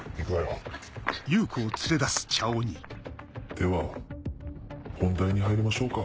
では本題に入りましょうか。